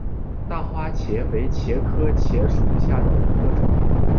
大花茄为茄科茄属下的一个种。